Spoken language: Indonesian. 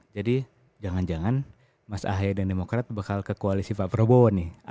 jadi jangan jangan mas ahaya dan demokrat bakal ke koalisi pak prabowo nih